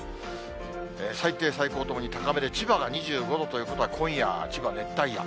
最低、最高ともに高めで千葉が２５度ということは、今夜、千葉、熱帯夜。